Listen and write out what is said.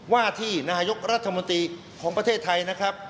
ว่าที่นายกรัฐมนตรีของประเทศไทยนะครับ